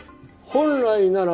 本来なら